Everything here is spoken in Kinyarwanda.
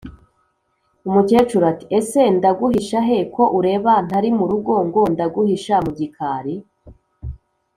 ” umukecuru ati:” ese ndaguhisha he ko ureba ntari mu rugo ngo ndaguhisha mu gikari,